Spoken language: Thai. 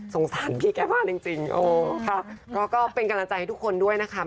สงสารพี่แกบ้านจริงจริงโอ้ครับแล้วก็เป็นกำลังใจให้ทุกคนด้วยนะคะ